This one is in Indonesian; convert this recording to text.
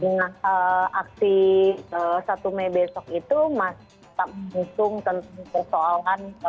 nah aksi satu mei besok itu masih tetap mengusung tentang persoalan